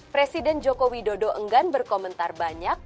presiden jokowi dodo enggan berkomentar banyak